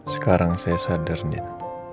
sekarang saya sadar din